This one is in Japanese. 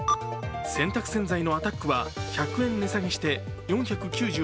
洗濯洗剤のアタックは１００円値下げして４９８円。